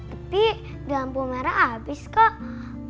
tapi di lampu merah abis kok